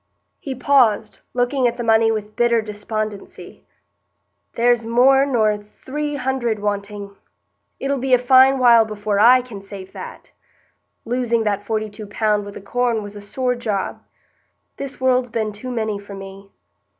He paused, looking at the money with bitter despondency. "There's more nor three hundred wanting; it'll be a fine while before I can save that. Losing that forty two pound wi' the corn was a sore job. This world's been too many for me.